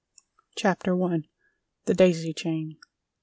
CHAPTER I. THE DAISY CHAIN.